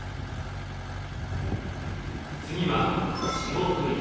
次は塩振り。